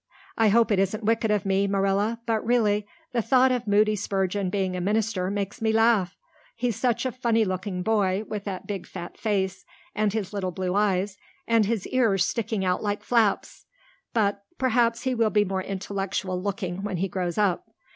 I hope it isn't wicked of me, Marilla, but really the thought of Moody Spurgeon being a minister makes me laugh. He's such a funny looking boy with that big fat face, and his little blue eyes, and his ears sticking out like flaps. But perhaps he will be more intellectual looking when he grows up.